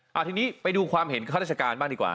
เอาทีนี้ไปดูความเห็นข้าราชการบ้างดีกว่า